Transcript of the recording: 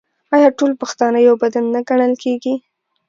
آیا ټول پښتانه یو بدن نه ګڼل کیږي؟